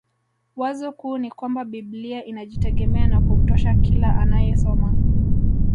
Wazo kuu ni kwamba biblia inajitegemea na kumtosha kila anayesoma